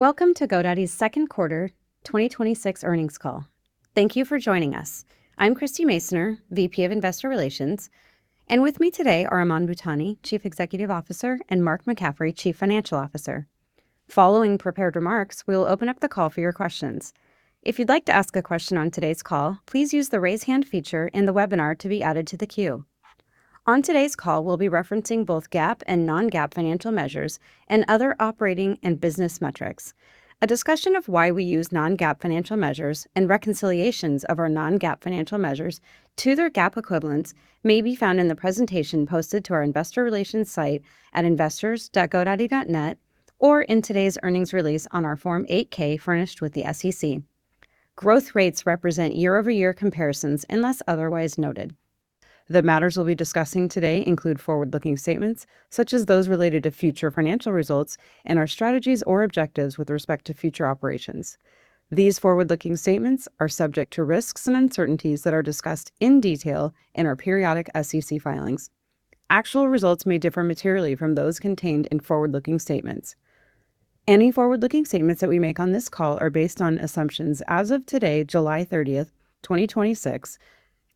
Welcome to GoDaddy's Second Quarter 2026 Earnings Call. Thank you for joining us. I'm Christie Masoner, VP of Investor Relations, and with me today are Aman Bhutani, Chief Executive Officer, and Mark McCaffrey, Chief Financial Officer. Following prepared remarks, we'll open up the call for your questions. If you'd like to ask a question on today's call, please use the raise hand feature in the webinar to be added to the queue. On today's call, we'll be referencing both GAAP and non-GAAP financial measures and other operating and business metrics. A discussion of why we use non-GAAP financial measures and reconciliations of our non-GAAP financial measures to their GAAP equivalents may be found in the presentation posted to our investor relations site at investors.godaddy.net or in today's earnings release on our Form 8-K furnished with the SEC. Growth rates represent year-over-year comparisons unless otherwise noted. The matters we'll be discussing today include forward-looking statements, such as those related to future financial results and our strategies or objectives with respect to future operations. These forward-looking statements are subject to risks and uncertainties that are discussed in detail in our periodic SEC filings. Actual results may differ materially from those contained in forward-looking statements. Any forward-looking statements that we make on this call are based on assumptions as of today, July 30th, 2026,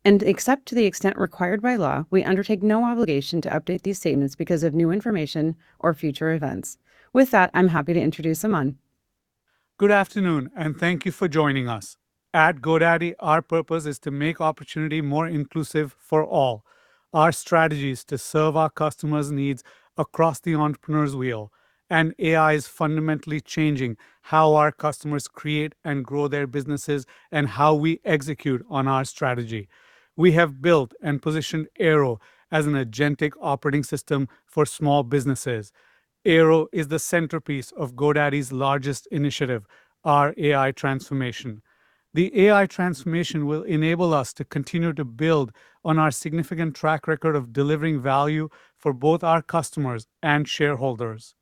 and except to the extent required by law, we undertake no obligation to update these statements because of new information or future events. With that, I'm happy to introduce Aman. Good afternoon and thank you for joining us. At GoDaddy, our purpose is to make opportunity more inclusive for all. Our strategy is to serve our customers' needs across the entrepreneur's wheel. AI is fundamentally changing how our customers create and grow their businesses and how we execute on our strategy. We have built and positioned Airo as an agentic operating system for small businesses. Airo is the centerpiece of GoDaddy's largest initiative, our AI transformation. The AI transformation will enable us to continue to build on our significant track record of delivering value for both our customers and shareholders.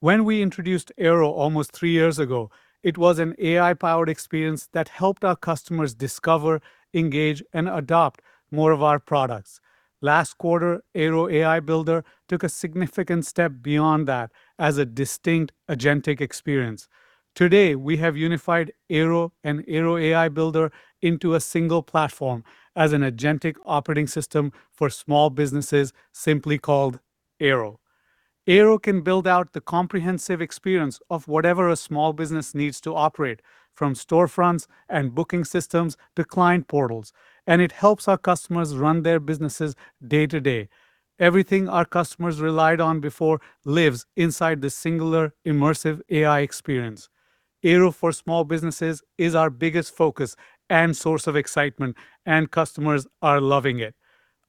When we introduced Airo almost three years ago, it was an AI-powered experience that helped our customers discover, engage, and adopt more of our products. Last quarter, Airo AI Builder took a significant step beyond that as a distinct agentic experience. Today, we have unified Airo and Airo AI Builder into a single platform as an agentic operating system for small businesses simply called Airo. Airo can build out the comprehensive experience of whatever a small business needs to operate, from storefronts and booking systems to client portals, and it helps our customers run their businesses day to day. Everything our customers relied on before lives inside this singular, immersive AI experience. Airo for small businesses is our biggest focus and source of excitement, and customers are loving it.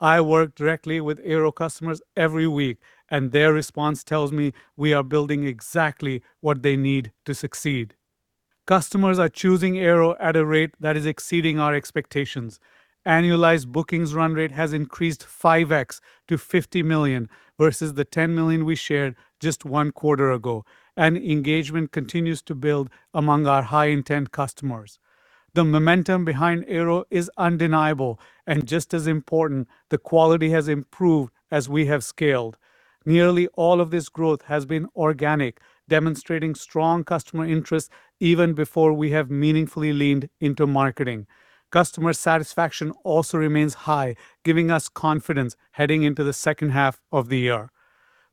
I work directly with Airo customers every week, and their response tells me we are building exactly what they need to succeed. Customers are choosing Airo at a rate that is exceeding our expectations. Annualized bookings run rate has increased 5x to $50 million versus the $10 million we shared just one quarter ago. Engagement continues to build among our high-intent customers. The momentum behind Airo is undeniable. Just as important, the quality has improved as we have scaled. Nearly all of this growth has been organic, demonstrating strong customer interest even before we have meaningfully leaned into marketing. Customer satisfaction also remains high, giving us confidence heading into the second half of the year.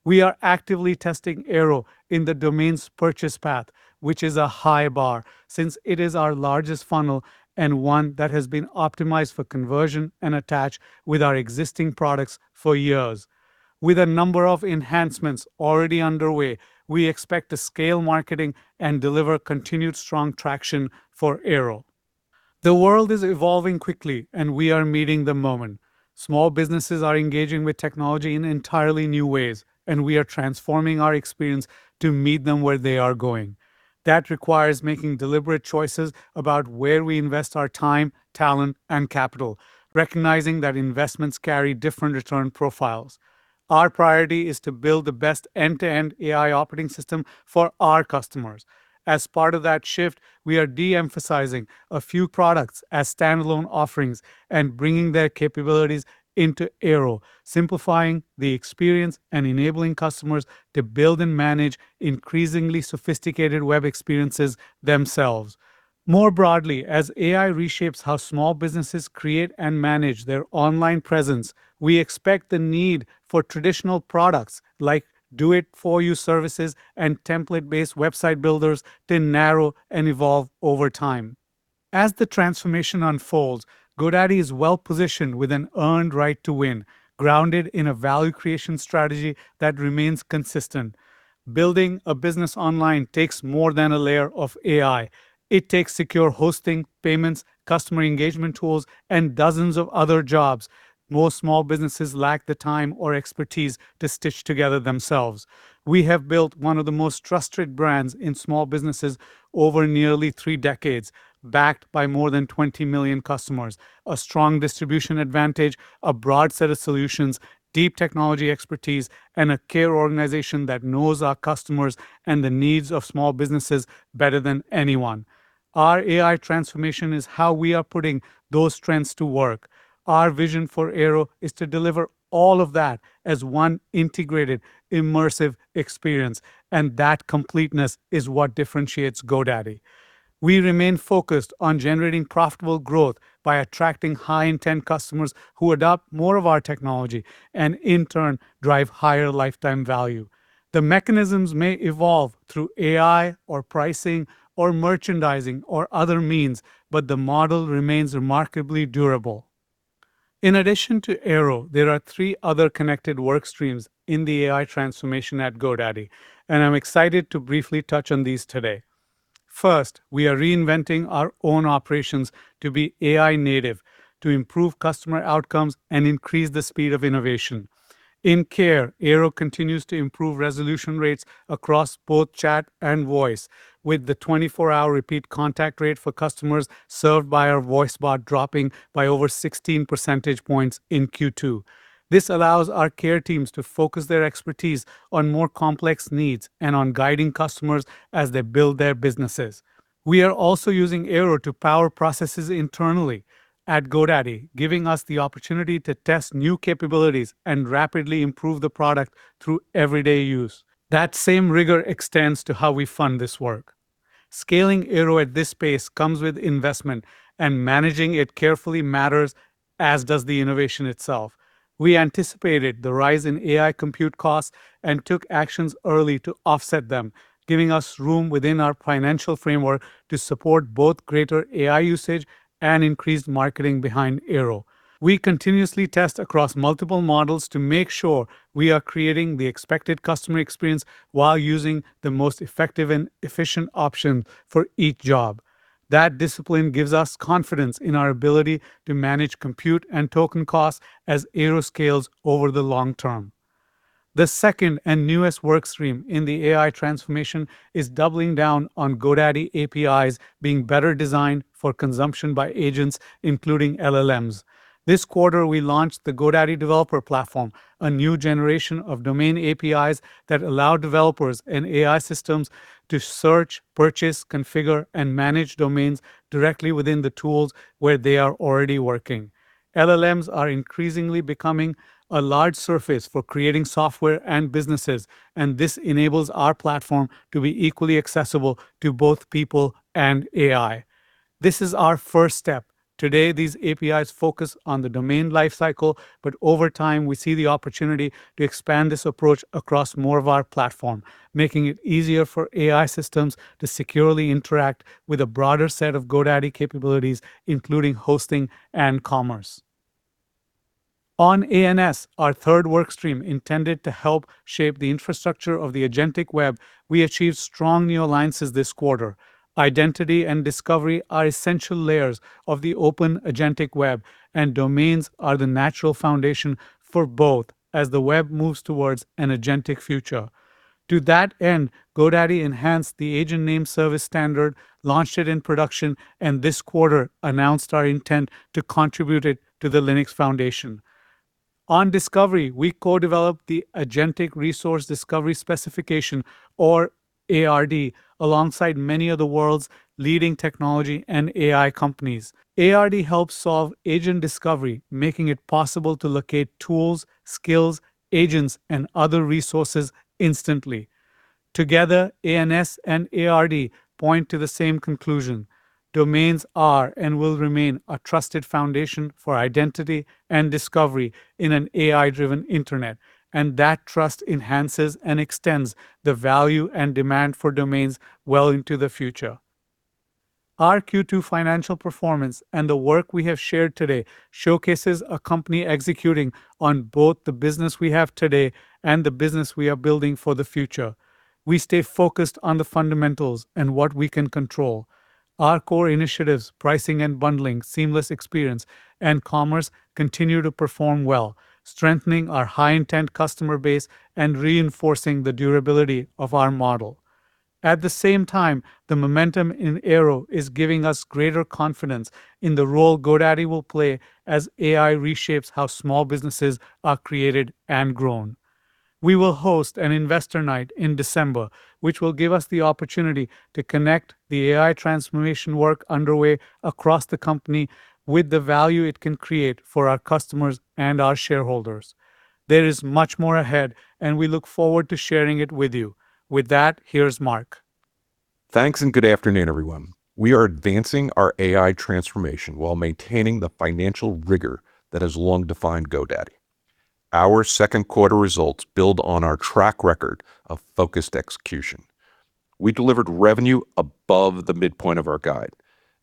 We are actively testing Airo in the domains purchase path, which is a high bar since it is our largest funnel and one that has been optimized for conversion and attach with our existing products for years. With a number of enhancements already underway, we expect to scale marketing and deliver continued strong traction for Airo. The world is evolving quickly. We are meeting the moment. Small businesses are engaging with technology in entirely new ways. We are transforming our experience to meet them where they are going. That requires making deliberate choices about where we invest our time, talent, and capital, recognizing that investments carry different return profiles. Our priority is to build the best end-to-end AI operating system for our customers. As part of that shift, we are de-emphasizing a few products as standalone offerings and bringing their capabilities into Airo, simplifying the experience and enabling customers to build and manage increasingly sophisticated web experiences themselves. More broadly, as AI reshapes how small businesses create and manage their online presence, we expect the need for traditional products like Do It For You services and template-based website builders to narrow and evolve over time. As the transformation unfolds, GoDaddy is well-positioned with an earned right to win, grounded in a value creation strategy that remains consistent. Building a business online takes more than a layer of AI. It takes secure hosting, payments, customer engagement tools, and dozens of other jobs most small businesses lack the time or expertise to stitch together themselves. We have built one of the most trusted brands in small businesses over nearly three decades, backed by more than 20 million customers, a strong distribution advantage, a broad set of solutions, deep technology expertise, and a care organization that knows our customers and the needs of small businesses better than anyone. Our AI transformation is how we are putting those trends to work. Our vision for Airo is to deliver all of that as one integrated, immersive experience. That completeness is what differentiates GoDaddy. We remain focused on generating profitable growth by attracting high-intent customers who adopt more of our technology and in turn drive higher lifetime value. The mechanisms may evolve through AI or pricing or merchandising or other means, but the model remains remarkably durable. In addition to Airo, there are three other connected work streams in the AI transformation at GoDaddy. I'm excited to briefly touch on these today. First, we are reinventing our own operations to be AI native to improve customer outcomes and increase the speed of innovation. In care, Airo continues to improve resolution rates across both chat and voice, with the 24-hour repeat contact rate for customers served by our voice bot dropping by over 16 percentage points in Q2. This allows our care teams to focus their expertise on more complex needs and on guiding customers as they build their businesses. We are also using Airo to power processes internally at GoDaddy, giving us the opportunity to test new capabilities and rapidly improve the product through everyday use. That same rigor extends to how we fund this work. Scaling Airo at this pace comes with investment and managing it carefully matters, as does the innovation itself. We anticipated the rise in AI compute costs and took actions early to offset them, giving us room within our financial framework to support both greater AI usage and increased marketing behind Airo. We continuously test across multiple models to make sure we are creating the expected customer experience while using the most effective and efficient option for each job. That discipline gives us confidence in our ability to manage compute and token costs as Airo scales over the long term. The second and newest work stream in the AI transformation is doubling down on GoDaddy APIs being better designed for consumption by agents, including LLMs. This quarter, we launched the GoDaddy Developer Platform, a new generation of domain APIs that allow developers and AI systems to search, purchase, configure, and manage domains directly within the tools where they are already working. LLMs are increasingly becoming a large surface for creating software and businesses, and this enables our platform to be equally accessible to both people and AI. This is our first step. Today, these APIs focus on the domain life cycle, but over time, we see the opportunity to expand this approach across more of our platform, making it easier for AI systems to securely interact with a broader set of GoDaddy capabilities, including hosting and commerce. On ANS, our third work stream intended to help shape the infrastructure of the agentic web, we achieved strong new alliances this quarter. Identity and discovery are essential layers of the open agentic web, and domains are the natural foundation for both as the web moves towards an agentic future. To that end, GoDaddy enhanced the Agent Name Service standard, launched it in production, and this quarter announced our intent to contribute it to the Linux Foundation. On discovery, we co-developed the Agentic Resource Discovery specification, or ARD, alongside many of the world's leading technology and AI companies. ARD helps solve agent discovery, making it possible to locate tools, skills, agents, and other resources instantly. Together, ANS and ARD point to the same conclusion. Domains are and will remain a trusted foundation for identity and discovery in an AI-driven Internet. That trust enhances and extends the value and demand for domains well into the future. Our Q2 financial performance and the work we have shared today showcases a company executing on both the business we have today and the business we are building for the future. We stay focused on the fundamentals and what we can control. Our core initiatives, pricing and bundling, seamless experience, and commerce continue to perform well, strengthening our high-intent customer base and reinforcing the durability of our model. At the same time, the momentum in Airo is giving us greater confidence in the role GoDaddy will play as AI reshapes how small businesses are created and grown. We will host an Investor Night in December, which will give us the opportunity to connect the AI transformation work underway across the company with the value it can create for our customers and our shareholders. There is much more ahead, and we look forward to sharing it with you. With that, here's Mark. Thanks, good afternoon, everyone. We are advancing our AI transformation while maintaining the financial rigor that has long defined GoDaddy. Our second quarter results build on our track record of focused execution. We delivered revenue above the midpoint of our guide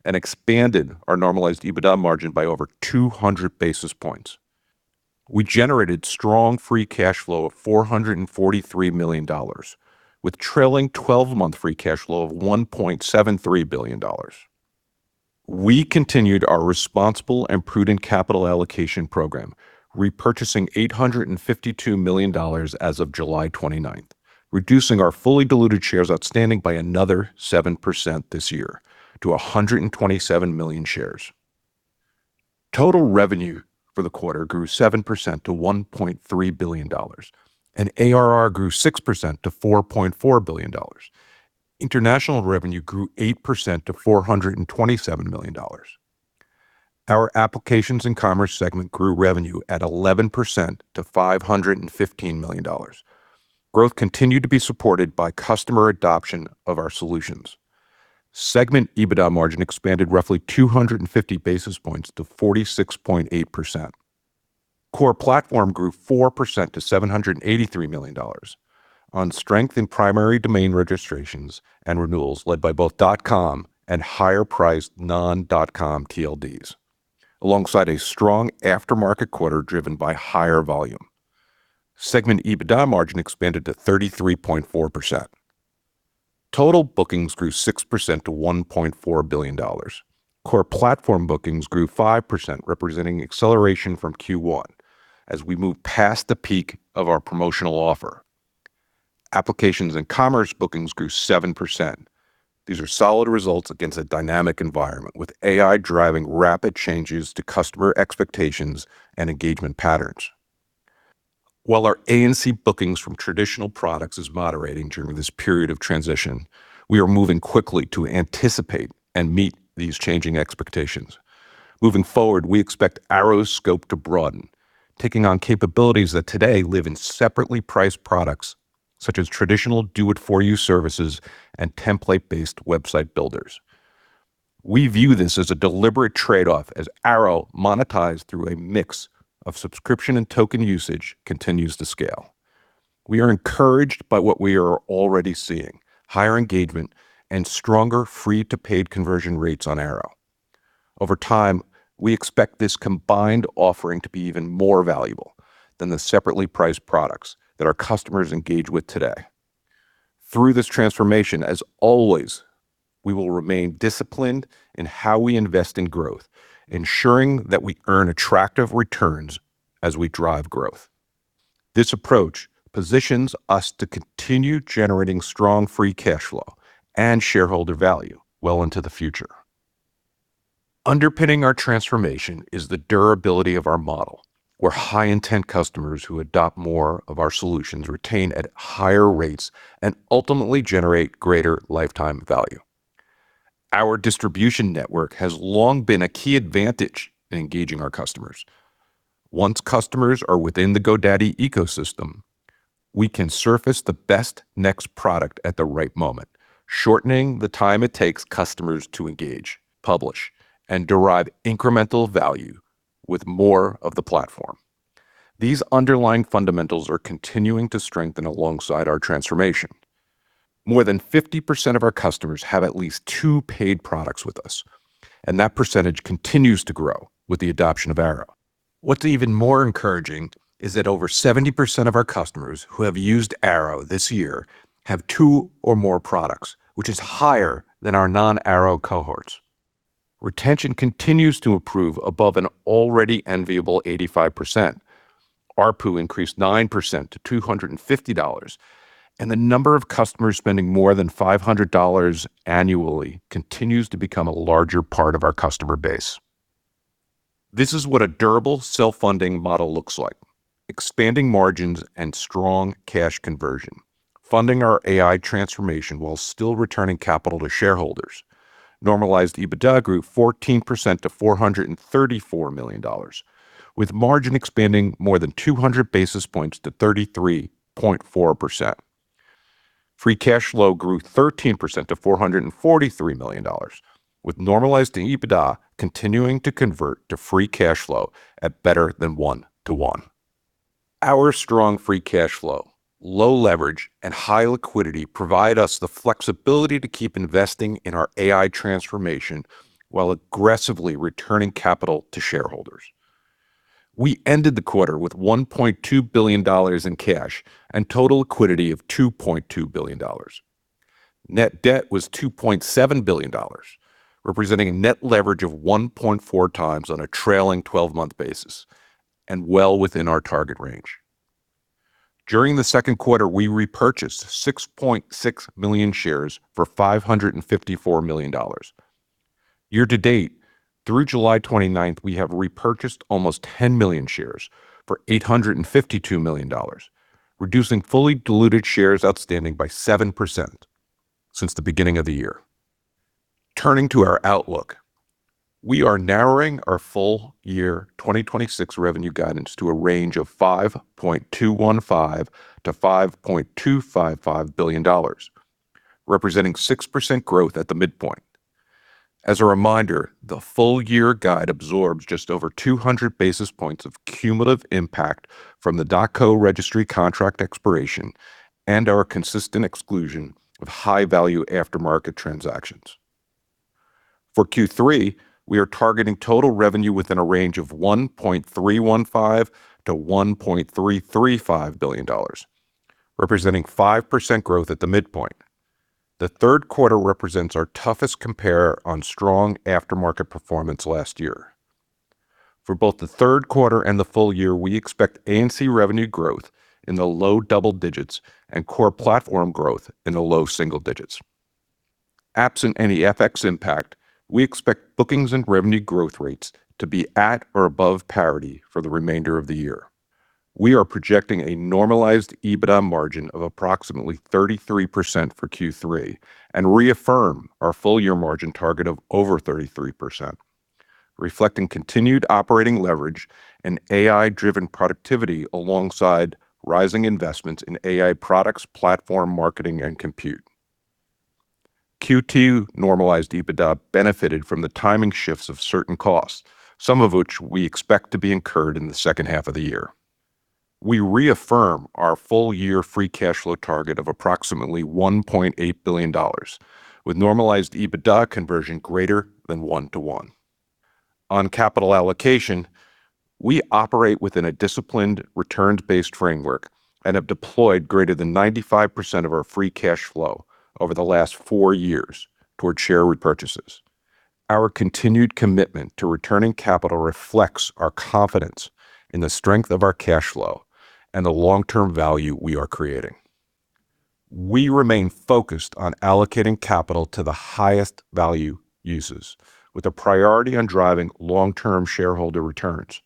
and expanded our Normalized EBITDA margin by over 200 basis points. We generated strong free cash flow of $443 million, with trailing 12-month free cash flow of $1.73 billion. We continued our responsible and prudent capital allocation program, repurchasing $852 million as of July 29th, reducing our fully diluted shares outstanding by another 7% this year to 127 million shares. Total revenue for the quarter grew 7% to $1.3 billion. ARR grew 6% to $4.4 billion. International revenue grew 8% to $427 million. Our Applications and Commerce segment grew revenue at 11% to $515 million. Growth continued to be supported by customer adoption of our solutions. Segment EBITDA margin expanded roughly 250 basis points to 46.8%. Core Platform grew 4% to $783 million on strength in primary domain registrations and renewals, led by both .com and higher priced non .com TLDs, alongside a strong aftermarket quarter driven by higher volume. Segment EBITDA margin expanded to 33.4%. Total bookings grew 6% to $1.4 billion. Core Platform bookings grew 5%, representing acceleration from Q1 as we move past the peak of our promotional offer. Applications and Commerce bookings grew 7%. These are solid results against a dynamic environment with AI driving rapid changes to customer expectations and engagement patterns. While our ANC bookings from traditional products is moderating during this period of transition, we are moving quickly to anticipate and meet these changing expectations. Moving forward, we expect Airo's scope to broaden, taking on capabilities that today live in separately priced products such as traditional Do It For You services and template-based website builders. We view this as a deliberate trade-off as Airo, monetized through a mix of subscription and token usage, continues to scale. We are encouraged by what we are already seeing, higher engagement and stronger free-to-paid conversion rates on Airo. Over time, we expect this combined offering to be even more valuable than the separately priced products that our customers engage with today. Through this transformation, as always, we will remain disciplined in how we invest in growth, ensuring that we earn attractive returns as we drive growth. This approach positions us to continue generating strong free cash flow and shareholder value well into the future. Underpinning our transformation is the durability of our model, where high-intent customers who adopt more of our solutions retain at higher rates and ultimately generate greater lifetime value. Our distribution network has long been a key advantage in engaging our customers. Once customers are within the GoDaddy ecosystem, we can surface the best next product at the right moment, shortening the time it takes customers to engage, publish, and derive incremental value with more of the platform. These underlying fundamentals are continuing to strengthen alongside our transformation. More than 50% of our customers have at least two paid products with us, and that percentage continues to grow with the adoption of Airo. What's even more encouraging is that over 70% of our customers who have used Airo this year have two or more products, which is higher than our non-Airo cohorts. Retention continues to improve above an already enviable 85%. ARPU increased 9% to $250. The number of customers spending more than $500 annually continues to become a larger part of our customer base. This is what a durable self-funding model looks like. Expanding margins and strong cash conversion, funding our AI transformation while still returning capital to shareholders. Normalized EBITDA grew 14% to $434 million, with margin expanding more than 200 basis points to 33.4%. Free cash flow grew 13% to $443 million, with Normalized EBITDA continuing to convert to free cash flow at better than one-to-one. Our strong free cash flow, low leverage, and high liquidity provide us the flexibility to keep investing in our AI transformation while aggressively returning capital to shareholders. We ended the quarter with $1.2 billion in cash and total liquidity of $2.2 billion. Net debt was $2.7 billion, representing a net leverage of 1.4x on a trailing 12-month basis and well within our target range. During the second quarter, we repurchased 6.6 million shares for $554 million. Year to date, through July 29th, we have repurchased almost 10 million shares for $852 million, reducing fully diluted shares outstanding by 7% since the beginning of the year. Turning to our outlook, we are narrowing our full year 2026 revenue guidance to a range of $5.215 billion-$5.255 billion, representing 6% growth at the midpoint. As a reminder, the full year guide absorbs just over 200 basis points of cumulative impact from the .co registry contract expiration and our consistent exclusion of high-value aftermarket transactions. For Q3, we are targeting total revenue within a range of $1.315 billion-$1.335 billion, representing 5% growth at the midpoint. The third quarter represents our toughest compare on strong aftermarket performance last year. For both the third quarter and the full year, we expect ANC revenue growth in the low double digits and core platform growth in the low single digits. Absent any FX impact, we expect bookings and revenue growth rates to be at or above parity for the remainder of the year. We are projecting a Normalized EBITDA margin of approximately 33% for Q3 and reaffirm our full year margin target of over 33%, reflecting continued operating leverage and AI-driven productivity alongside rising investments in AI products, platform marketing, and compute. Q2 Normalized EBITDA benefited from the timing shifts of certain costs, some of which we expect to be incurred in the second half of the year. We reaffirm our full year free cash flow target of approximately $1.8 billion with Normalized EBITDA conversion greater than one to one. On capital allocation, we operate within a disciplined returns-based framework and have deployed greater than 95% of our free cash flow over the last four years towards share repurchases. Our continued commitment to returning capital reflects our confidence in the strength of our cash flow and the long-term value we are creating. We remain focused on allocating capital to the highest value uses, with a priority on driving long-term shareholder returns.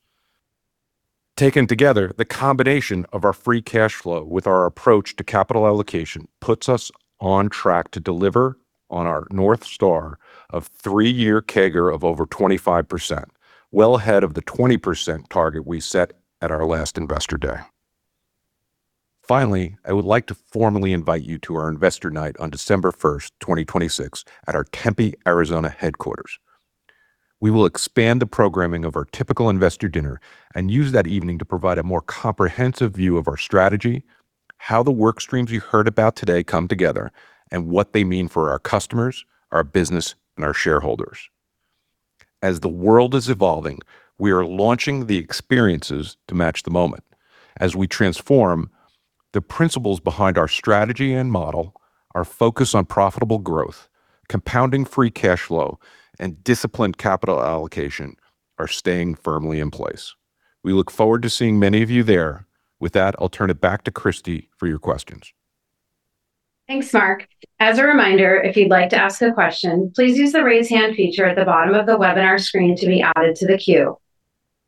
Taken together, the combination of our free cash flow with our approach to capital allocation puts us on track to deliver on our North Star of three-year CAGR of over 25%, well ahead of the 20% target we set at our last Investor Day. I would like to formally invite you to our Investor Night on December 1st, 2026, at our Tempe, Arizona headquarters. We will expand the programming of our typical investor dinner and use that evening to provide a more comprehensive view of our strategy, how the work streams you heard about today come together, and what they mean for our customers, our business, and our shareholders. As the world is evolving, we are launching the experiences to match the moment. As we transform, the principles behind our strategy and model, our focus on profitable growth, compounding free cash flow, and disciplined capital allocation are staying firmly in place. We look forward to seeing many of you there. With that, I'll turn it back to Christie for your questions. Thanks, Mark. As a reminder, if you'd like to ask a question, please use the raise hand feature at the bottom of the webinar screen to be added to the queue.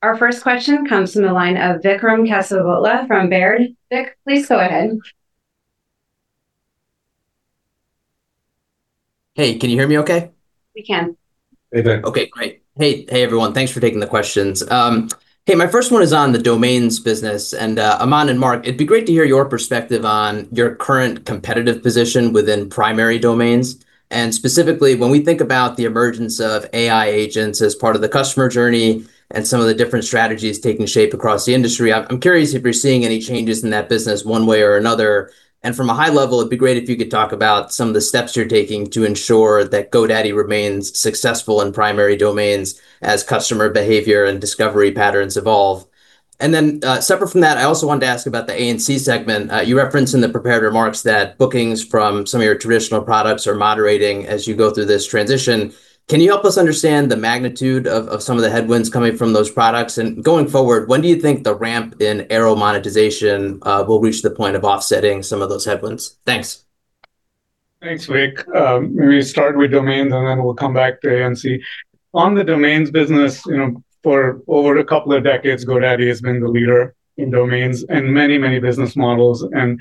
Our first question comes from the line of Vikram Kesavabhotla from Baird. Vik, please go ahead. Can you hear me okay? We can. Hey, Vik. Okay, great. Hey, everyone. Thanks for taking the questions. My first one is on the domains business, and Aman and Mark, it'd be great to hear your perspective on your current competitive position within primary domains. Specifically, when we think about the emergence of AI agents as part of the customer journey and some of the different strategies taking shape across the industry, I'm curious if you're seeing any changes in that business one way or another. From a high level, it'd be great if you could talk about some of the steps you're taking to ensure that GoDaddy remains successful in primary domains as customer behavior and discovery patterns evolve. Then, separate from that, I also wanted to ask about the A&C segment. You referenced in the prepared remarks that bookings from some of your traditional products are moderating as you go through this transition. Can you help us understand the magnitude of some of the headwinds coming from those products? Going forward, when do you think the ramp in Airo monetization will reach the point of offsetting some of those headwinds? Thanks. Thanks, Vik. Maybe start with domains, then we'll come back to A&C. On the domains business, for over a couple of decades, GoDaddy has been the leader in domains, and many business models and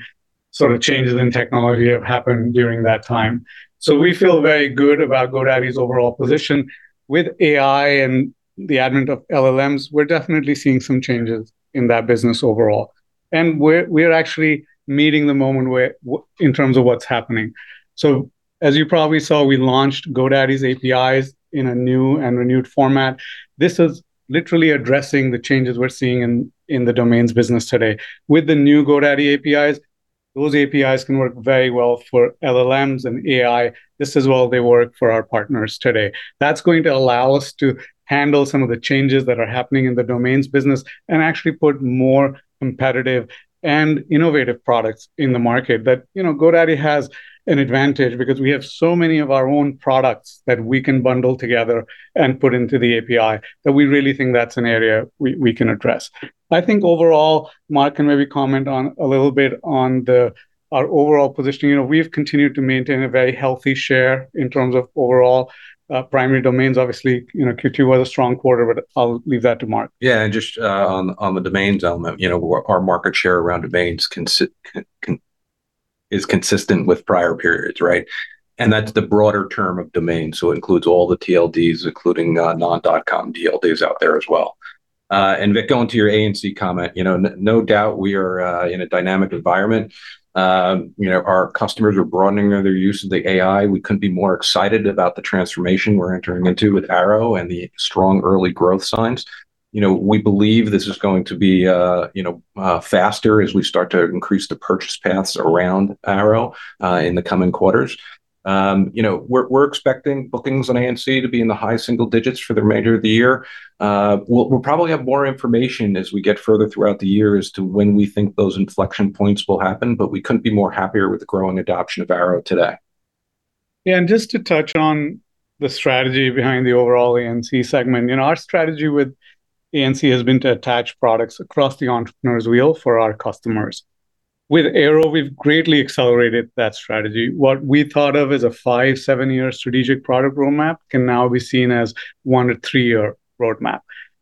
changes in technology have happened during that time. We feel very good about GoDaddy's overall position. With AI and the advent of LLMs, we're definitely seeing some changes in that business overall, and we're actually meeting the moment in terms of what's happening. As you probably saw, we launched GoDaddy's APIs in a new and renewed format. This is literally addressing the changes we're seeing in the domains business today. With the new GoDaddy APIs, those APIs can work very well for LLMs and AI. Just as well they work for our partners today. That's going to allow us to handle some of the changes that are happening in the domains business and actually put more competitive and innovative products in the market that GoDaddy has an advantage because we have so many of our own products that we can bundle together and put into the API that we really think that's an area we can address. I think overall, Mark can maybe comment on a little bit on our overall positioning. We've continued to maintain a very healthy share in terms of overall primary domains. Obviously, Q2 was a strong quarter, but I'll leave that to Mark. Yeah, just on the domains element, our market share around domains is consistent with prior periods, right? That's the broader term of domains, so it includes all the TLDs, including [not] .com TLDs out there as well. Vik, going to your A&C comment, no doubt we are in a dynamic environment. Our customers are broadening their use of the AI. We couldn't be more excited about the transformation we're entering into with Airo and the strong early growth signs. We believe this is going to be faster as we start to increase the purchase paths around Airo in the coming quarters. We're expecting bookings on A&C to be in the high single digits for the remainder of the year. We'll probably have more information as we get further throughout the year as to when we think those inflection points will happen, but we couldn't be more happier with the growing adoption of Airo today. Yeah, just to touch on the strategy behind the overall A&C segment. Our strategy with A&C has been to attach products across the entrepreneur's wheel for our customers. With Airo, we've greatly accelerated that strategy. What we thought of as a five, seven-year strategic product roadmap can now be seen as a one to three year roadmap.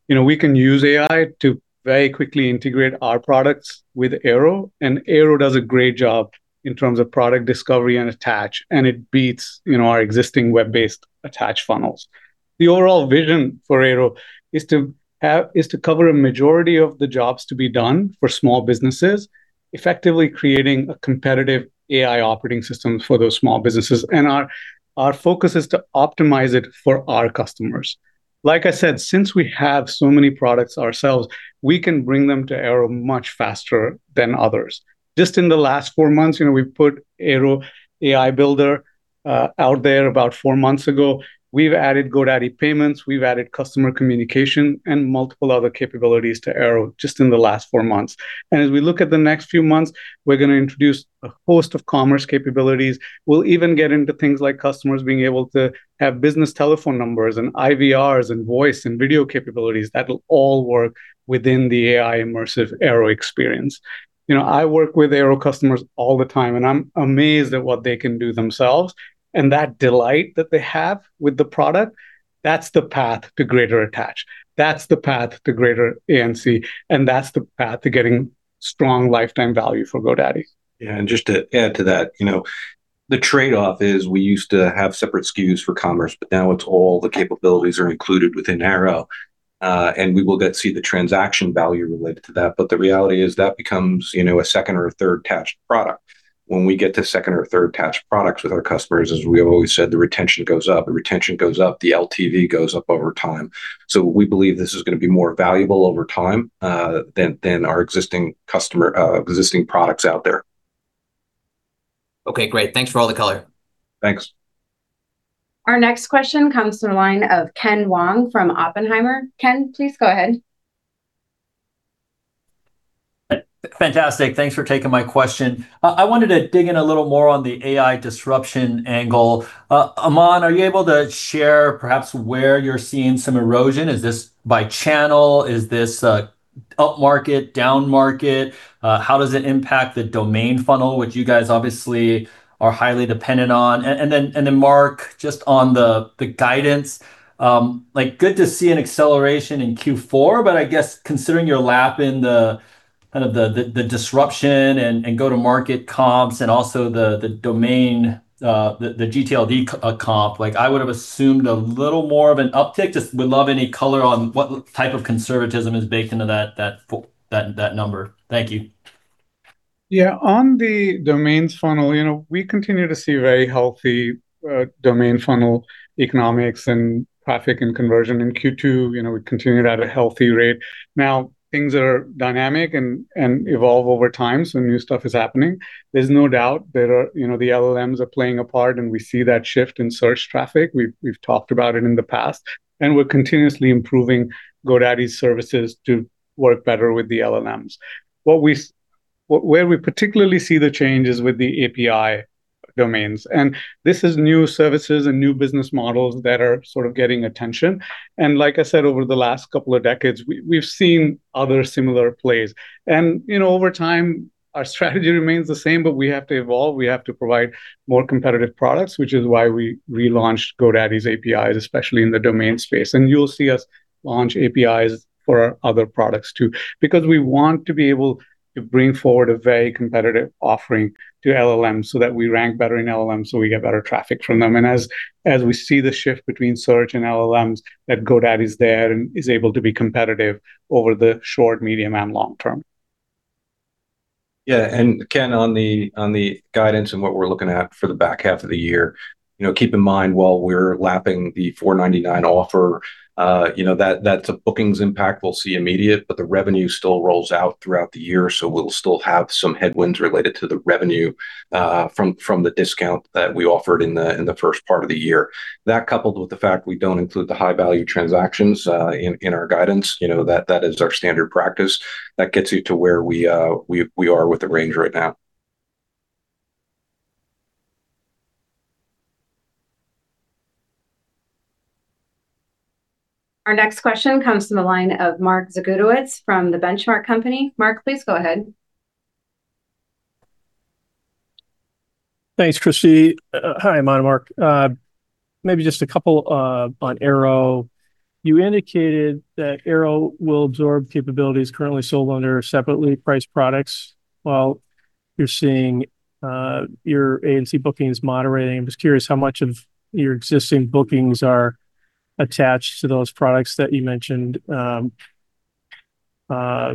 We can use AI to very quickly integrate our products with Airo. Airo does a great job in terms of product discovery and attach, and it beats our existing web-based attach funnels. The overall vision for Airo is to cover a majority of the jobs to be done for small businesses, effectively creating a competitive AI operating system for those small businesses. Our focus is to optimize it for our customers. Like I said, since we have so many products ourselves, we can bring them to Airo much faster than others. Just in the last four months, we've put Airo AI Builder out there about four months ago. We've added GoDaddy payments, we've added customer communication, and multiple other capabilities to Airo just in the last four months. As we look at the next few months, we're going to introduce a host of commerce capabilities. We'll even get into things like customers being able to have business telephone numbers and IVRs and voice and video capabilities that'll all work within the AI immersive Airo experience. I work with Airo customers all the time, and I'm amazed at what they can do themselves, and that delight that they have with the product, that's the path to greater attach. That's the path to greater ANC, and that's the path to getting strong lifetime value for GoDaddy. Yeah, just to add to that, the trade-off is we used to have separate SKUs for commerce, but now it's all the capabilities are included within Airo. We will get to see the transaction value related to that. The reality is that becomes a second or third attached product. When we get to second or third attached products with our customers, as we have always said, the retention goes up. The retention goes up, the LTV goes up over time. We believe this is going to be more valuable over time than our existing products out there. Okay, great. Thanks for all the color. Thanks. Our next question comes from the line of Ken Wong from Oppenheimer. Ken, please go ahead. Fantastic. Thanks for taking my question. I wanted to dig in a little more on the AI disruption angle. Aman, are you able to share perhaps where you're seeing some erosion? Is this by channel? Is this upmarket, downmarket? How does it impact the domain funnel, which you guys obviously are highly dependent on? Mark, just on the guidance, good to see an acceleration in Q4, but I guess considering you're lapping the disruption and go-to-market comps and also the domain, the gTLD comp, I would have assumed a little more of an uptick. Just would love any color on what type of conservatism is baked into that number. Thank you. Yeah, on the domains funnel, we continue to see very healthy domain funnel economics and traffic and conversion. In Q2, we continued at a healthy rate. Things are dynamic and evolve over time, new stuff is happening. There's no doubt the LLMs are playing a part, we see that shift in search traffic. We've talked about it in the past, we're continuously improving GoDaddy's services to work better with the LLMs. Where we particularly see the change is with the API domains, this is new services and new business models that are sort of getting attention. Like I said, over the last couple of decades, we've seen other similar plays. Over time, our strategy remains the same, we have to evolve. We have to provide more competitive products, which is why we relaunched GoDaddy's APIs, especially in the domain space. You'll see us launch APIs for our other products, too. We want to be able to bring forward a very competitive offering to LLMs we rank better in LLMs, we get better traffic from them. As we see the shift between search and LLMs, that GoDaddy is there and is able to be competitive over the short, medium, and long term. Yeah. Ken, on the guidance and what we're looking at for the back half of the year, keep in mind, while we're lapping the $4.99 offer, that's a bookings impact we'll see immediate, but the revenue still rolls out throughout the year, so we'll still have some headwinds related to the revenue from the discount that we offered in the first part of the year. That coupled with the fact we don't include the high-value transactions in our guidance, that is our standard practice. That gets you to where we are with the range right now. Our next question comes from the line of Mark Zgutowicz from The Benchmark Company. Mark, please go ahead. Thanks, Christie. Hi, Aman and Mark. Maybe just a couple on Airo. You indicated that Airo will absorb capabilities currently sold under separately priced products while you're seeing your ANC bookings moderating. I'm just curious how much of your existing bookings are attached to those products that you mentioned are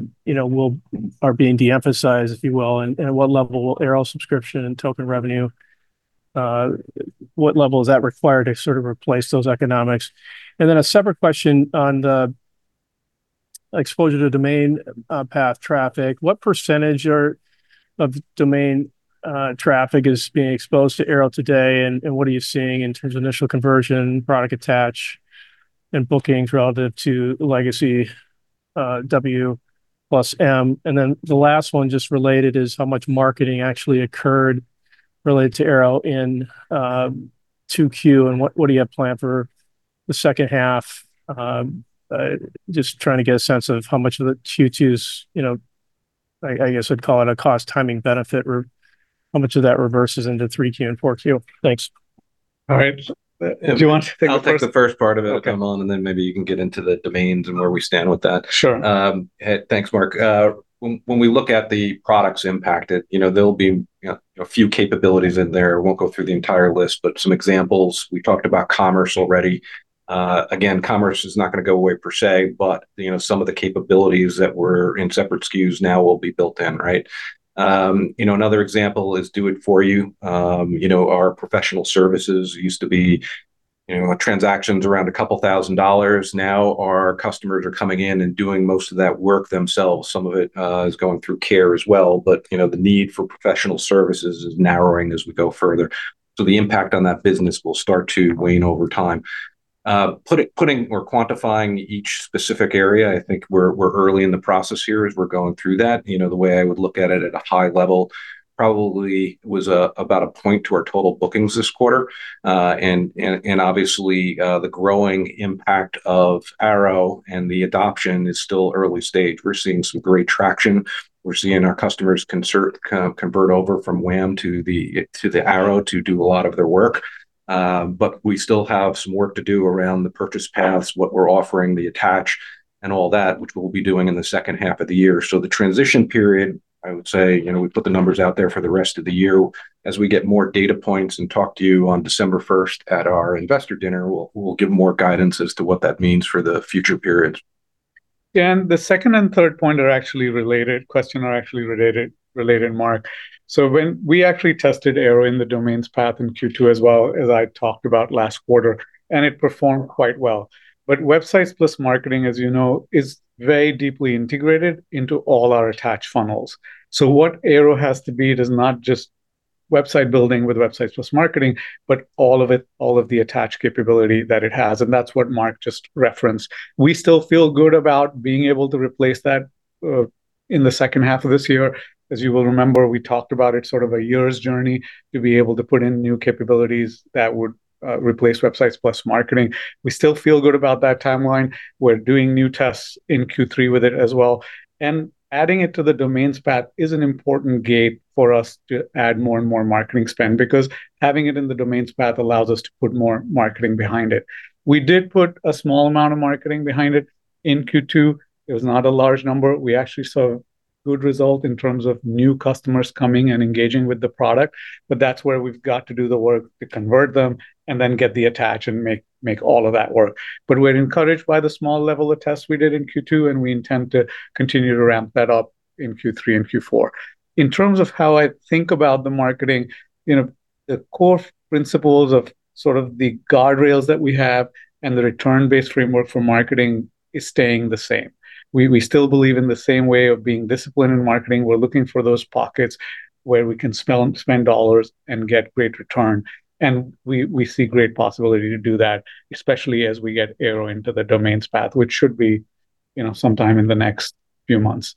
being de-emphasized, if you will, and at what level will Airo subscription and token revenue, what level is that required to sort of replace those economics? A separate question on the exposure to domain path traffic. What percentage of domain traffic is being exposed to Airo today, and what are you seeing in terms of initial conversion, product attach, and bookings relative to legacy W + M? The last one just related is how much marketing actually occurred related to Airo in 2Q, and what do you have planned for the second half, just trying to get a sense of how much of the Q2's, I guess I'd call it a cost timing benefit, how much of that reverses into 3Q and 4Q? Thanks. All right. Do you want to take the first? I'll take the first part of it. Okay Aman, then maybe you can get into the domains and where we stand with that. Sure. Thanks, Mark. When we look at the products impacted, there'll be a few capabilities in there. Won't go through the entire list, but some examples, we talked about commerce already. Again, commerce is not going to go away per se, but some of the capabilities that were in separate SKUs now will be built in, right? Another example is Do It For You. Our professional services used to be transactions around a couple thousand dollars. Now our customers are coming in and doing most of that work themselves. Some of it is going through care as well, but the need for professional services is narrowing as we go further. The impact on that business will start to wane over time. Putting or quantifying each specific area, I think we're early in the process here as we're going through that. The way I would look at it at a high level probably was about a point to our total bookings this quarter. Obviously, the growing impact of Airo and the adoption is still early stage. We're seeing some great traction. We're seeing our customers convert over from wane to the Airo to do a lot of their work. We still have some work to do around the purchase paths, what we're offering, the attached, and all that, which we'll be doing in the second half of the year. The transition period, I would say, we put the numbers out there for the rest of the year. As we get more data points and talk to you on December 1st at our investor dinner, we'll give more guidance as to what that means for the future periods. And, the second and third point are actually related, question are actually related, Mark. When we actually tested Airo in the domains path in Q2 as well as I talked about last quarter, it performed quite well. Websites + Marketing, as you know, is very deeply integrated into all our attached funnels. What Airo has to be does not just website building with Websites + Marketing, but all of it, all of the attached capability that it has, and that's what Mark just referenced. We still feel good about being able to replace that in the second half of this year. As you will remember, we talked about it sort of a year's journey to be able to put in new capabilities that would replace Websites + Marketing. We still feel good about that timeline. We're doing new tests in Q3 with it as well. Adding it to the domains path is an important gate for us to add more and more marketing spend, because having it in the domains path allows us to put more marketing behind it. We did put a small amount of marketing behind it in Q2. It was not a large number. We actually saw good result in terms of new customers coming and engaging with the product. That's where we've got to do the work to convert them and then get the attach and make all of that work. We're encouraged by the small level of tests we did in Q2, we intend to continue to ramp that up in Q3 and Q4. In terms of how I think about the marketing, the core principles of sort of the guardrails that we have and the return-based framework for marketing is staying the same. We still believe in the same way of being disciplined in marketing. We're looking for those pockets where we can spend dollars and get great return, and we see great possibility to do that, especially as we get Airo into the domains path, which should be sometime in the next few months.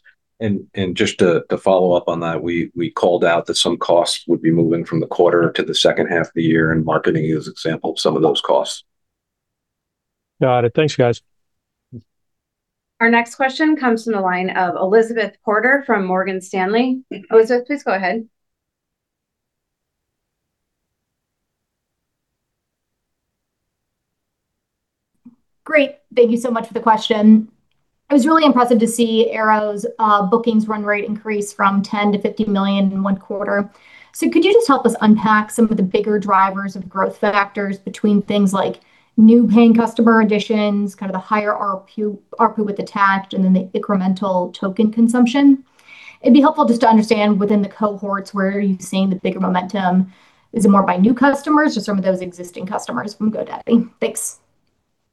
Just to follow up on that, we called out that some costs would be moving from the quarter to the second half of the year, and marketing is an example of some of those costs. Got it. Thanks, guys. Our next question comes from the line of Elizabeth Porter from Morgan Stanley. Elizabeth, please go ahead. Great. Thank you so much for the question. It was really impressive to see Airo's bookings run rate increase from $10 million-$50 million in one quarter. Could you just help us unpack some of the bigger drivers of growth factors between things like new paying customer additions, kind of the higher ARPU with attached, and then the incremental token consumption? It would be helpful just to understand within the cohorts, where are you seeing the bigger momentum? Is it more by new customers or some of those existing customers from GoDaddy? Thanks.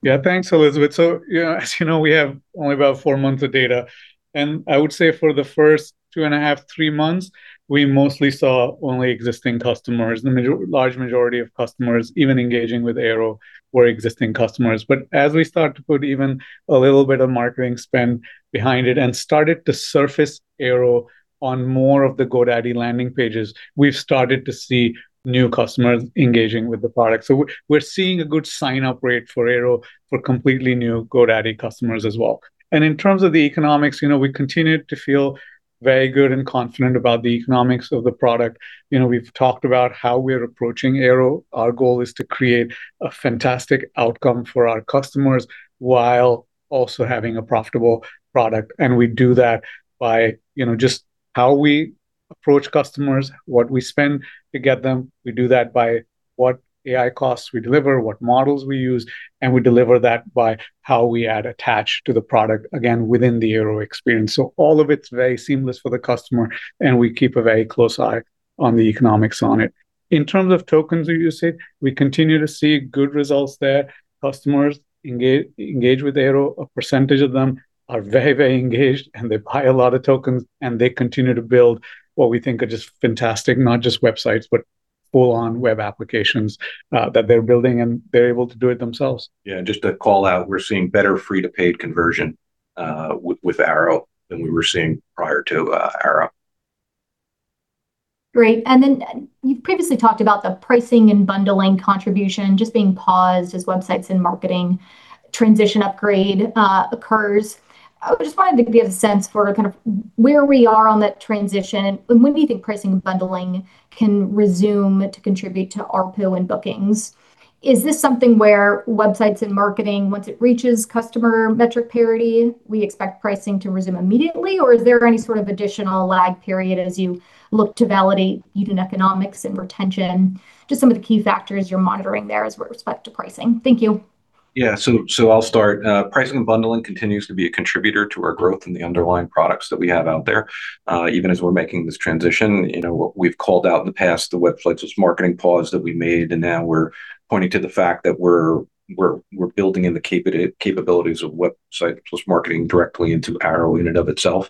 Thanks, Elizabeth. As you know, we have only about four months of data. I would say for the first two and a half, three months, we mostly saw only existing customers. The large majority of customers even engaging with Airo were existing customers. As we start to put even a little bit of marketing spend behind it and started to surface Airo on more of the GoDaddy landing pages, we have started to see new customers engaging with the product. We are seeing a good sign-up rate for Airo for completely new GoDaddy customers as well. In terms of the economics, we continue to feel very good and confident about the economics of the product. We have talked about how we are approaching Airo. Our goal is to create a fantastic outcome for our customers while also having a profitable product. We do that by just how we approach customers, what we spend to get them. We do that by what AI costs we deliver, what models we use, and we deliver that by how we add attach to the product, again, within the Airo experience. All of it is very seamless for the customer, and we keep a very close eye on the economics on it. In terms of tokens usage, we continue to see good results there. Customers engage with Airo, a percentage of them are very engaged, and they buy a lot of tokens, and they continue to build what we think are just fantastic, not just websites, but full-on web applications that they are building, and they are able to do it themselves. Just to call out, we are seeing better free to paid conversion with Airo than we were seeing prior to Airo. Great. You've previously talked about the pricing and bundling contribution just being paused as Websites + Marketing transition upgrade occurs. I just wanted to get a sense for kind of where we are on that transition and when do you think pricing and bundling can resume to contribute to ARPU and bookings? Is this something where Websites + Marketing, once it reaches customer metric parity, we expect pricing to resume immediately, or is there any sort of additional lag period as you look to validate unit economics and retention? Just some of the key factors you're monitoring there with respect to pricing. Thank you. Yeah. I'll start. Pricing and bundling continues to be a contributor to our growth in the underlying products that we have out there, even as we're making this transition. What we've called out in the past, the Websites + Marketing pause that we made, and now we're pointing to the fact that we're building in the capabilities of Websites + Marketing directly into Airo in and of itself.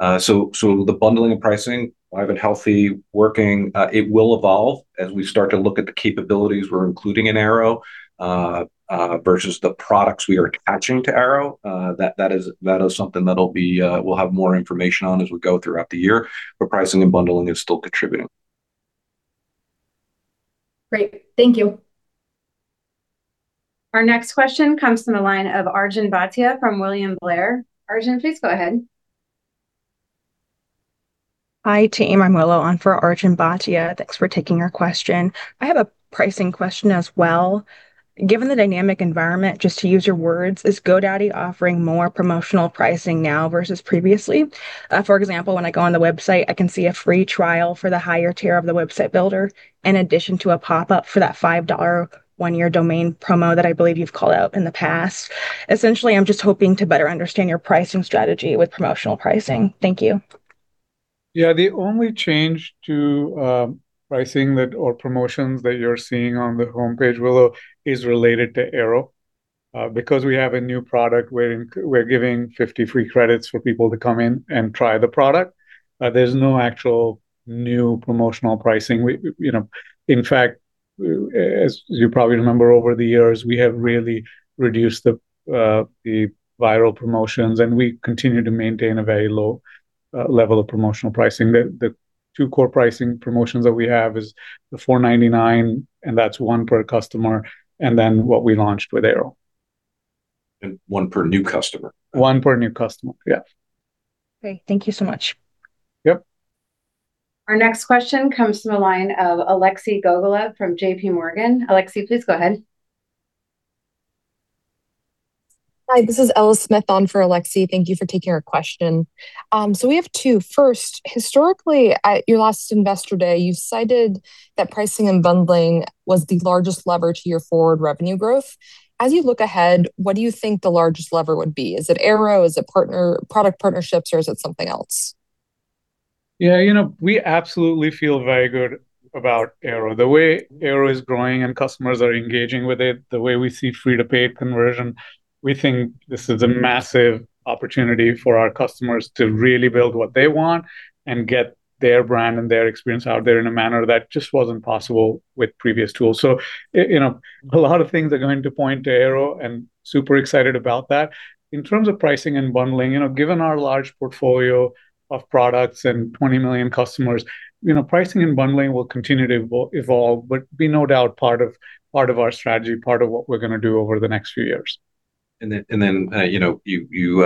The bundling and pricing, alive and healthy, working. It will evolve as we start to look at the capabilities we're including in Airo, versus the products we are attaching to Airo. That is something that we'll have more information on as we go throughout the year, but pricing and bundling is still contributing. Great. Thank you. Our next question comes from the line of Arjun Bhatia from William Blair. Arjun, please go ahead. Hi, team. I'm Willow. I'm for Arjun Bhatia. Thanks for taking our question. I have a pricing question as well. Given the dynamic environment, just to use your words, is GoDaddy offering more promotional pricing now versus previously? For example, when I go on the website, I can see a free trial for the higher tier of the website builder, in addition to a pop-up for that $5 one year domain promo that I believe you've called out in the past. Essentially, I'm just hoping to better understand your pricing strategy with promotional pricing. Thank you. The only change to pricing or promotions that you're seeing on the homepage, Willow, is related to Airo. Because we have a new product, we're giving 50 free credits for people to come in and try the product. There's no actual new promotional pricing. In fact, as you probably remember, over the years, we have really reduced the viral promotions, and we continue to maintain a very low level of promotional pricing. The two core pricing promotions that we have is the $4.99, and that's one per customer, then what we launched with Airo. One per new customer. One per new customer, yeah. Okay. Thank you so much. Yep. Our next question comes from the line of Alexi Gogola from JPMorgan. Alexi, please go ahead. Hi. This is Ella Smith on for Alexi. Thank you for taking our question. We have two. First, historically, at your last Investor Day, you've cited that pricing and bundling was the largest lever to your forward revenue growth. As you look ahead, what do you think the largest lever would be? Is it Airo? Is it product partnerships, or is it something else? Yeah, we absolutely feel very good about Airo. The way Airo is growing and customers are engaging with it, the way we see free-to-pay conversion, we think this is a massive opportunity for our customers to really build what they want and get their brand and their experience out there in a manner that just wasn't possible with previous tools. A lot of things are going to point to Airo, and super excited about that. In terms of pricing and bundling, given our large portfolio of products and 20 million customers, pricing and bundling will continue to evolve, but be in no doubt part of our strategy, part of what we're going to do over the next few years. You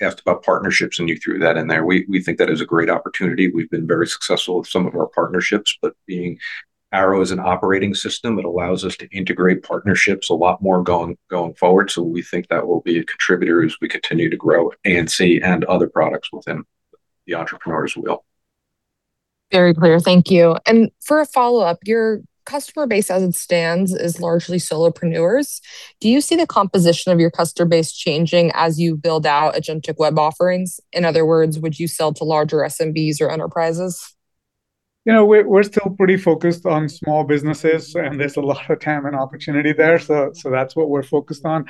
asked about partnerships, and you threw that in there. We think that is a great opportunity. We've been very successful with some of our partnerships, but being Airo is an operating system, it allows us to integrate partnerships a lot more going forward. We think that will be a contributor as we continue to grow ANC and other products within the entrepreneur's wheel. Very clear. Thank you. For a follow-up, your customer base as it stands is largely solopreneurs. Do you see the composition of your customer base changing as you build out agentic web offerings? In other words, would you sell to larger SMBs or enterprises? We're still pretty focused on small businesses, and there's a lot of time and opportunity there. That's what we're focused on.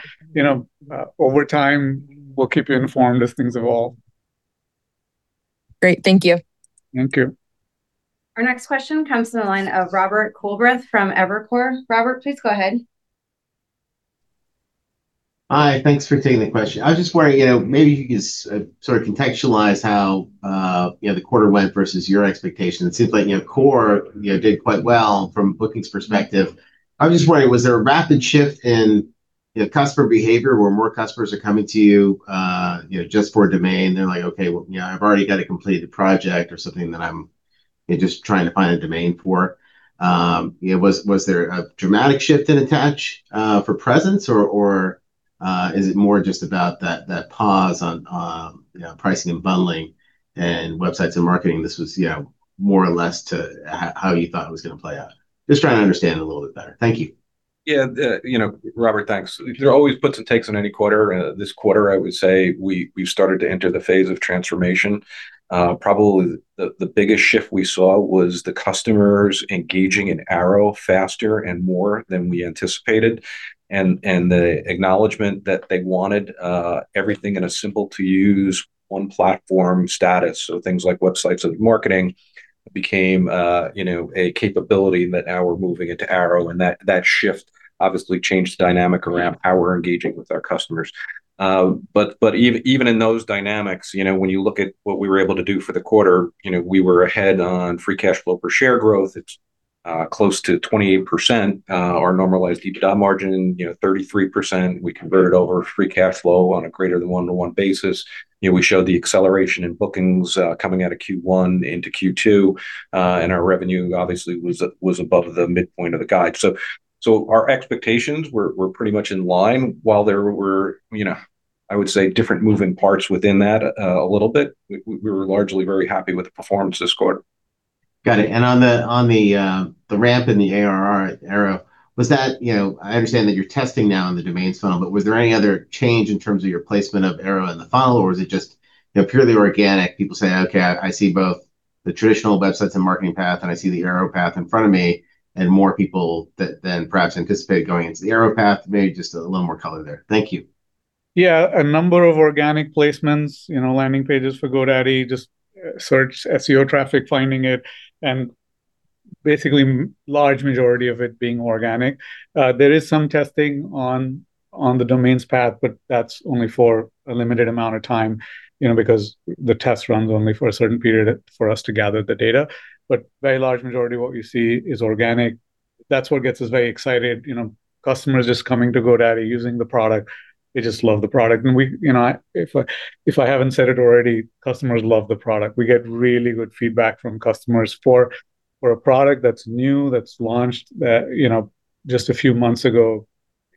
Over time, we'll keep you informed as things evolve. Great. Thank you. Thank you. Our next question comes from the line of Robert Culbreth from Evercore. Robert, please go ahead. Hi. Thanks for taking the question. I was just wondering, maybe you could just sort of contextualize how the quarter went versus your expectations. It seems like core did quite well from a bookings perspective. I was just wondering, was there a rapid shift in customer behavior, where more customers are coming to you just for a domain? They're like, "Okay, well, I've already got a completed project or something that I'm just trying to find a domain for." Was there a dramatic shift in attach for presence, or is it more just about that pause on pricing and bundling and Websites + Marketing? This was more or less to how you thought it was going to play out. Just trying to understand a little bit better. Thank you. Yeah. Robert, thanks. There are always puts and takes in any quarter. This quarter, I would say, we've started to enter the phase of transformation. Probably the biggest shift we saw was the customers engaging in Airo faster and more than we anticipated, and the acknowledgment that they wanted everything in a simple-to-use, one-platform status. Things like Websites + Marketing became a capability that now we're moving into Airo, and that shift obviously changed the dynamic around how we're engaging with our customers. Even in those dynamics, when you look at what we were able to do for the quarter, we were ahead on free cash flow per share growth. It's Close to 28%, our Normalized EBITDA margin 33%. We converted over free cash flow on a greater than one-to-one basis. We showed the acceleration in bookings coming out of Q1 into Q2. Our revenue, obviously, was above the midpoint of the guide. Our expectations were pretty much in line. While there were, I would say, different moving parts within that a little bit, we were largely very happy with the performance this quarter. Got it. On the ramp in the ARR, Airo, I understand that you're testing now in the domains funnel, but was there any other change in terms of your placement of Airo in the funnel, or was it just purely organic? People say, "Okay, I see both the traditional Websites + Marketing path, and I see the Airo path in front of me," and more people than perhaps anticipate going into the Airo path? Maybe just a little more color there. Thank you. Yeah. A number of organic placements, landing pages for GoDaddy, just search SEO traffic, finding it, and basically large majority of it being organic. There is some testing on the domains path, but that's only for a limited amount of time, because the test runs only for a certain period for us to gather the data. Very large majority of what we see is organic. That's what gets us very excited. Customers just coming to GoDaddy, using the product. They just love the product. If I haven't said it already, customers love the product. We get really good feedback from customers. For a product that's new, that's launched just a few months ago,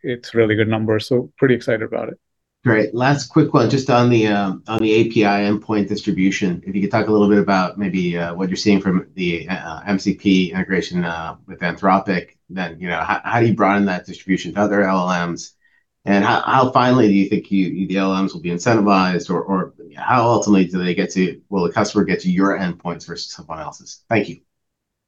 it's really good numbers, pretty excited about it. Great. Last quick one, just on the API endpoint distribution, if you could talk a little bit about maybe what you're seeing from the MCP integration, with Anthropic, how do you broaden that distribution to other LLMs, how finally do you think the LLMs will be incentivized, or how ultimately will the customer get to your endpoints versus someone else's? Thank you.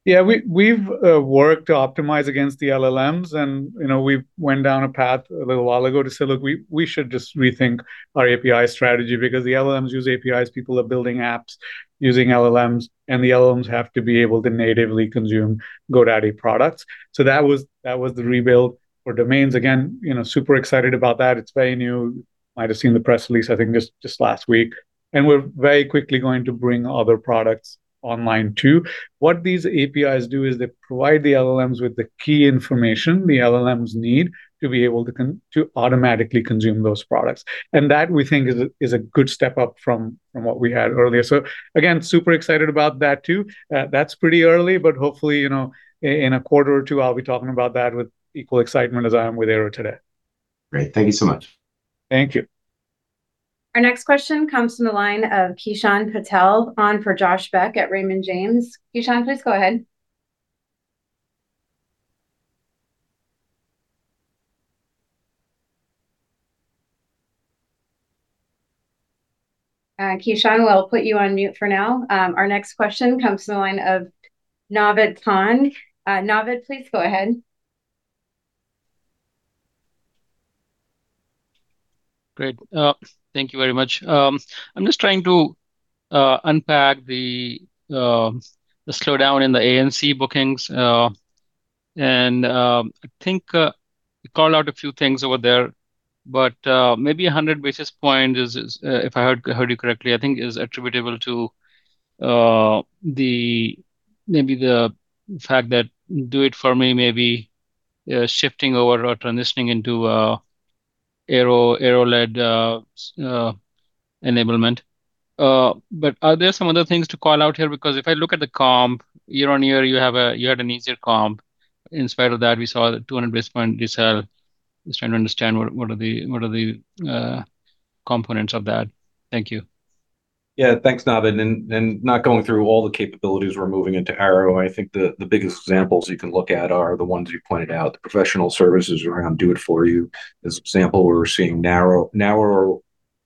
Yeah. We've worked to optimize against the LLMs, and we went down a path a little while ago to say, "Look, we should just rethink our API strategy," because the LLMs use APIs. People are building apps using LLMs, and the LLMs have to be able to natively consume GoDaddy products. That was the rebuild for domains. Again, super excited about that. It's very new. Might've seen the press release, I think just last week. We're very quickly going to bring other products online too. What these APIs do is they provide the LLMs with the key information the LLMs need to be able to automatically consume those products. That, we think, is a good step up from what we had earlier. Again, super excited about that too. That's pretty early, but hopefully, in a quarter or two, I'll be talking about that with equal excitement as I am with Airo today. Great. Thank you so much. Thank you. Our next question comes from the line of Kishan Patel on for Josh Beck at Raymond James. Kishan, please go ahead. Kishan, we'll put you on mute for now. Our next question comes from the line of Naved Khan. Naved, please go ahead. Great. Thank you very much. I'm just trying to unpack the slowdown in the ANC bookings. I think you called out a few things over there, but maybe 100 basis point is, if I heard you correctly, I think is attributable to maybe the fact that Do It For You maybe shifting over or transitioning into Airo-led enablement. Are there some other things to call out here? Because if I look at the comp, year-on-year, you had an easier comp. In spite of that, we saw a 200 basis point decel. Just trying to understand what are the components of that. Thank you. Yeah. Thanks, Naved. Not going through all the capabilities we're moving into Airo, I think the biggest examples you can look at are the ones you pointed out. The professional services around Do It For You, as an example, where we're seeing narrower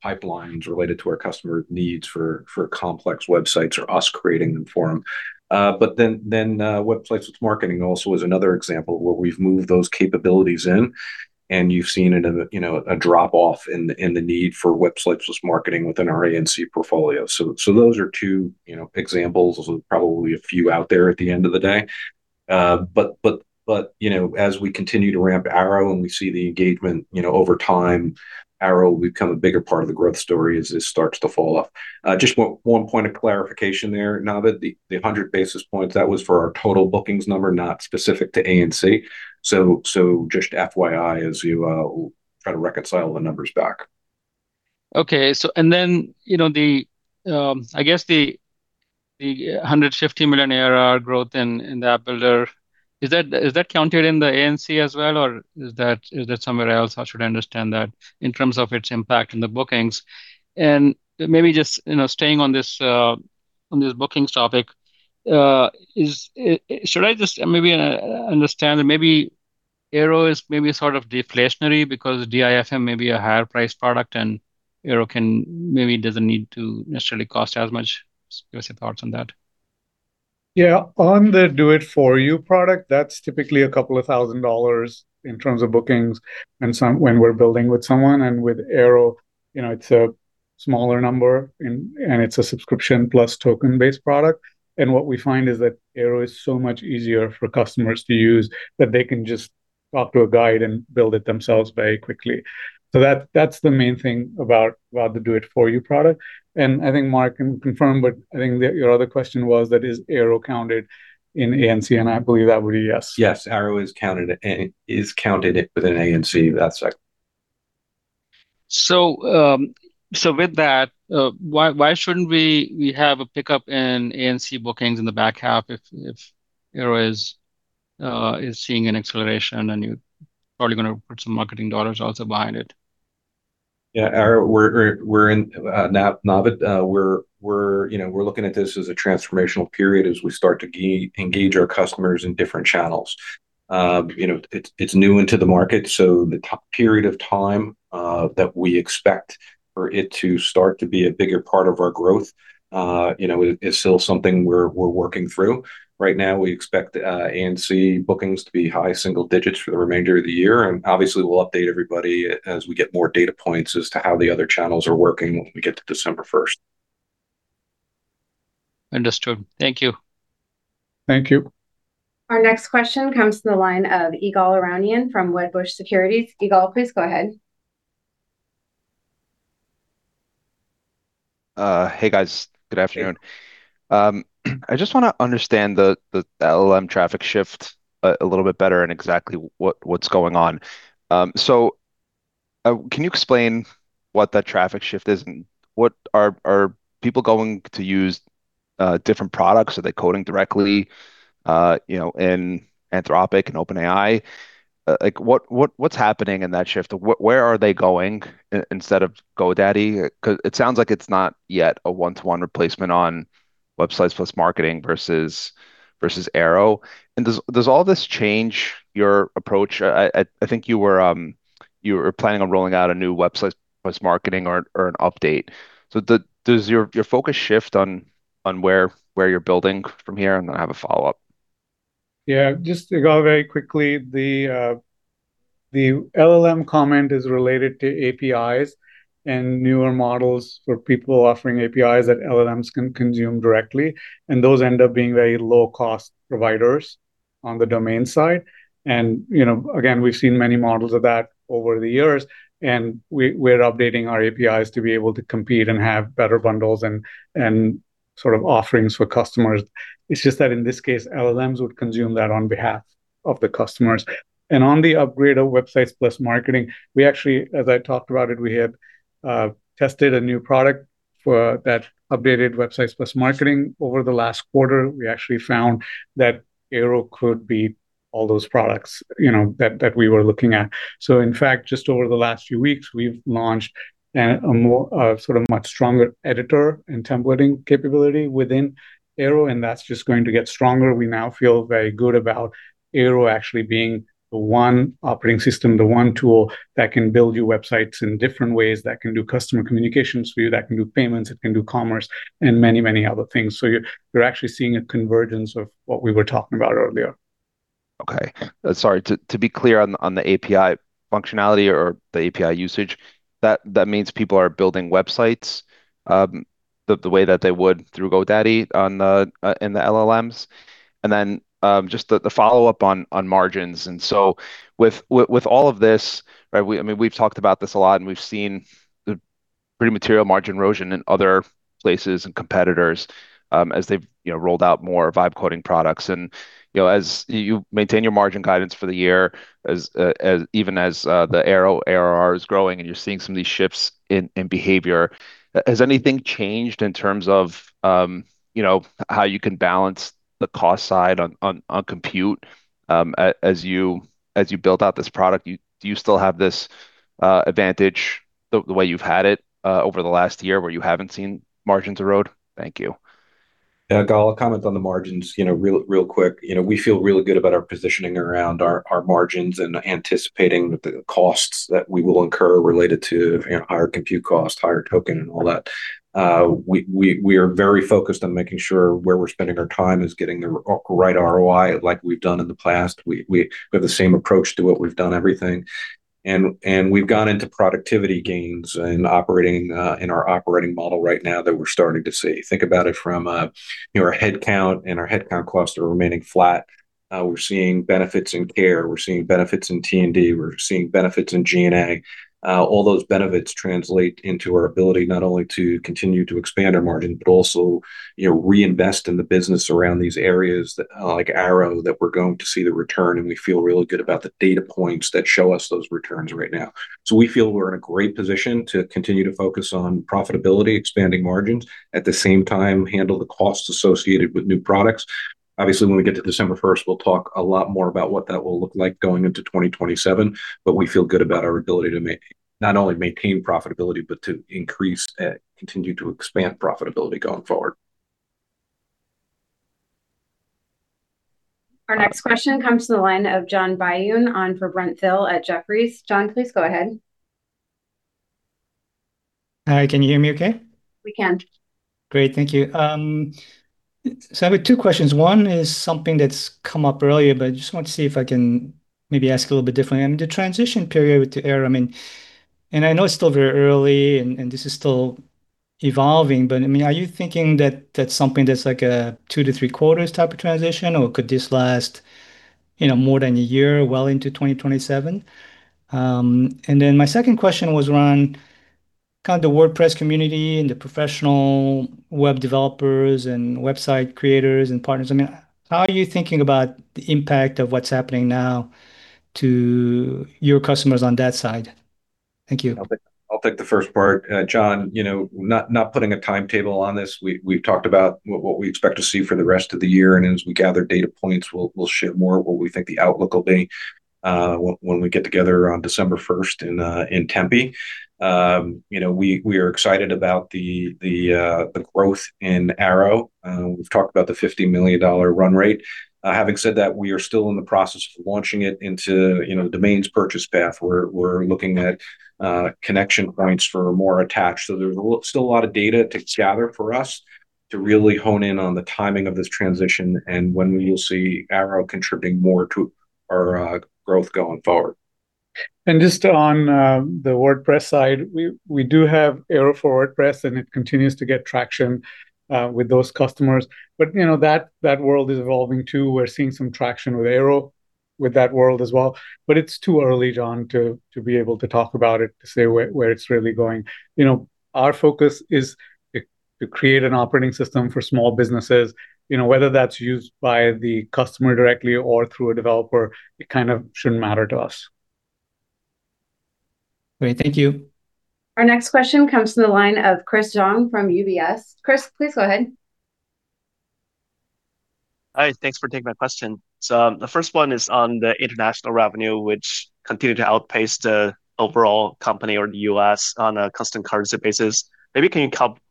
pipelines related to our customer needs for complex websites or us creating them for them. Websites + Marketing also is another example where we've moved those capabilities in, and you've seen a drop-off in the need for Websites + Marketing within our ANC portfolio. Those are two examples. There's probably a few out there at the end of the day. As we continue to ramp Airo and we see the engagement over time, Airo will become a bigger part of the growth story as this starts to fall off. Just one point of clarification there, Naved. The 100 basis points, that was for our total bookings number, not specific to ANC. Just FYI as you try to reconcile the numbers back. Okay. I guess the $150 million ARR growth in the app builder, is that counted in the ANC as well, or is that somewhere else? How should I understand that in terms of its impact in the bookings? Maybe just staying on this bookings topic, should I just maybe understand that maybe Airo is maybe sort of deflationary because DIFM may be a higher-priced product and Airo maybe doesn't need to necessarily cost as much? Just your thoughts on that. Yeah. On the Do It For You product, that's typically a couple of thousand dollars in terms of bookings when we're building with someone and with Airo, it's a smaller number, and it's a subscription plus token-based product. What we find is that Airo is so much easier for customers to use that they can just Talk to a guide and build it themselves very quickly. That's the main thing about the Do It For You product. I think Mark can confirm, but I think that your other question was that is Airo counted in ANC, and I believe that would be yes. Yes. Airo is counted within ANC. That's right. With that, why shouldn't we have a pickup in ANC bookings in the back half if Airo is seeing an acceleration, and you're probably going to put some marketing dollars also behind it? Yeah. Naved, we're looking at this as a transformational period as we start to engage our customers in different channels. It's new into the market. The period of time that we expect for it to start to be a bigger part of our growth is still something we're working through. Right now, we expect ANC bookings to be high single digits for the remainder of the year. Obviously, we'll update everybody as we get more data points as to how the other channels are working when we get to December 1st. Understood. Thank you. Thank you. Our next question comes from the line of Ygal Arounian from Wedbush Securities. Ygal, please go ahead. Hey, guys. Good afternoon. I just want to understand the LLM traffic shift a little bit better and exactly what's going on. Can you explain what that traffic shift is and are people going to use different products? Are they coding directly in Anthropic and OpenAI? What's happening in that shift? Where are they going instead of GoDaddy? Because it sounds like it's not yet a one-to-one replacement on Websites + Marketing versus Airo. Does all this change your approach? I think you were planning on rolling out a new Websites + Marketing or an update. Does your focus shift on where you're building from here? I have a follow-up. Yeah. Just to go very quickly. The LLM comment is related to APIs and newer models for people offering APIs that LLMs can consume directly, and those end up being very low-cost providers on the domain side. Again, we've seen many models of that over the years, and we're updating our APIs to be able to compete and have better bundles and sort of offerings for customers. It's just that in this case, LLMs would consume that on behalf of the customers. On the upgrade of Websites + Marketing, we actually, as I talked about it, we had tested a new product for that updated Websites + Marketing over the last quarter. We actually found that Airo could be all those products that we were looking at. In fact, just over the last few weeks, we've launched a sort of much stronger editor and templating capability within Airo, and that's just going to get stronger. We now feel very good about Airo actually being the one operating system, the one tool that can build your websites in different ways, that can do customer communications for you, that can do payments, that can do commerce, and many, many other things. You're actually seeing a convergence of what we were talking about earlier. Okay. Sorry, to be clear on the API functionality or the API usage, that means people are building websites the way that they would through GoDaddy in the LLMs. Just the follow-up on margins. With all of this, right, we've talked about this a lot, and we've seen pretty material margin erosion in other places and competitors as they've rolled out more vibe coding products. As you maintain your margin guidance for the year, even as the Airo ARR is growing and you're seeing some of these shifts in behavior, has anything changed in terms of how you can balance the cost side on compute as you build out this product? Do you still have this advantage the way you've had it over the last year where you haven't seen margins erode? Thank you. Yeah. Ygal, I'll comment on the margins real quick. We feel really good about our positioning around our margins and anticipating the costs that we will incur related to higher compute cost, higher token, and all that. We are very focused on making sure where we're spending our time is getting the right ROI like we've done in the past. We have the same approach to what we've done everything. We've gone into productivity gains in our operating model right now that we're starting to see. Think about it from our headcount and our headcount costs are remaining flat. We're seeing benefits in care, we're seeing benefits in T&D, we're seeing benefits in G&A. All those benefits translate into our ability not only to continue to expand our margin, but also reinvest in the business around these areas like Airo that we're going to see the return, and we feel really good about the data points that show us those returns right now. We feel we're in a great position to continue to focus on profitability, expanding margins. At the same time, handle the costs associated with new products. Obviously, when we get to December 1st, we'll talk a lot more about what that will look like going into 2027. We feel good about our ability to not only maintain profitability, but to increase and continue to expand profitability going forward. Our next question comes to the line of John Byun on for Brent Thill at Jefferies. John, please go ahead. Hi, can you hear me okay? We can. Great. Thank you. I have two questions. One is something that's come up earlier, but I just want to see if I can maybe ask a little bit differently. The transition period with the Airo, and I know it's still very early, and this is still evolving, but are you thinking that that's something that's a two to three quarters type of transition, or could this last more than a year, well into 2027? My second question was around the WordPress community and the professional web developers and website creators and partners. How are you thinking about the impact of what's happening now to your customers on that side? Thank you. I'll take the first part, John. Not putting a timetable on this. We've talked about what we expect to see for the rest of the year, and as we gather data points, we'll share more what we think the outlook will be when we get together on December 1st in Tempe. We are excited about the growth in Airo. We've talked about the $50 million run rate. Having said that, we are still in the process of launching it into the domains purchase path. We're looking at connection points for more attach. There's still a lot of data to gather for us to really hone in on the timing of this transition and when we will see Airo contributing more to our growth going forward. Just on the WordPress side, we do have Airo for WordPress, and it continues to get traction with those customers. That world is evolving, too. We're seeing some traction with Airo with that world as well, but it's too early, John, to be able to talk about it, to say where it's really going. Our focus is to create an operating system for small businesses. Whether that's used by the customer directly or through a developer, it kind of shouldn't matter to us. Great. Thank you. Our next question comes from the line of Chris Yeung from UBS. Chris, please go ahead. Hi, thanks for taking my question. The first one is on the international revenue, which continued to outpace the overall company or the U.S. on a constant currency basis. Maybe can you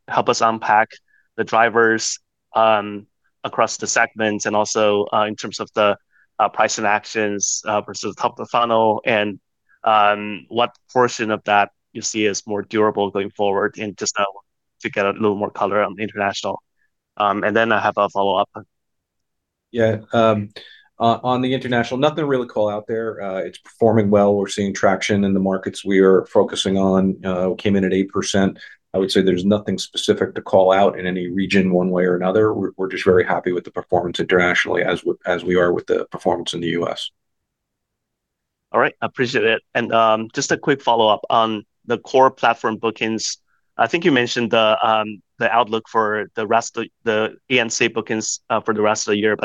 help us unpack the drivers across the segments and also, in terms of the pricing actions versus top of the funnel and what portion of that you see as more durable going forward? Just to get a little more color on the international. Then I have a follow-up. On the international, nothing really call out there. It's performing well. We're seeing traction in the markets we are focusing on. Came in at 8%. I would say there's nothing specific to call out in any region one way or another. We're just very happy with the performance internationally as we are with the performance in the U.S. I appreciate it. Just a quick follow-up on the core platform bookings. I think you mentioned the outlook for the ANC bookings for the rest of the year,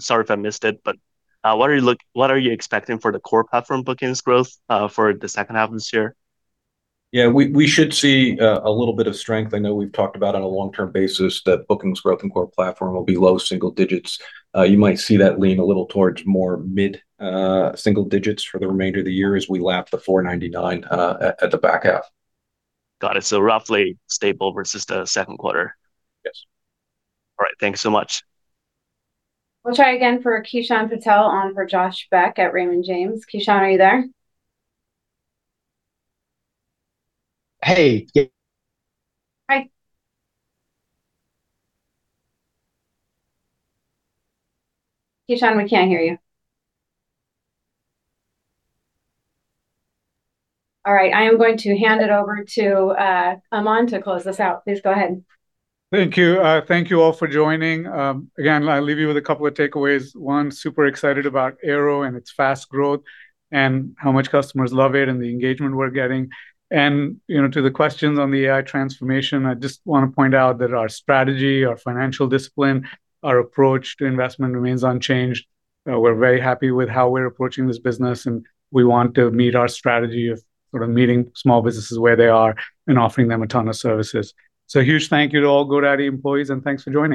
sorry if I missed it, but what are you expecting for the core platform bookings growth for the second half of this year? Yeah. We should see a little bit of strength. I know we've talked about on a long-term basis that bookings growth and core platform will be low single digits. You might see that lean a little towards more mid-single digits for the remainder of the year as we lap the 499 at the back half. Got it. Roughly stable versus the second quarter. Yes. All right. Thanks so much. We'll try again for Kishan Patel on for Josh Beck at Raymond James. Kishan, are you there? Hey. Hi. Kishan, we can't hear you. All right, I am going to hand it over to Aman to close this out. Please go ahead. Thank you. Thank you all for joining. Again, I'll leave you with a couple of takeaways. One, super excited about Airo and its fast growth and how much customers love it and the engagement we're getting. To the questions on the AI transformation, I just want to point out that our strategy, our financial discipline, our approach to investment remains unchanged. We're very happy with how we're approaching this business, and we want to meet our strategy of sort of meeting small businesses where they are and offering them a ton of services. A huge thank you to all GoDaddy employees, and thanks for joining.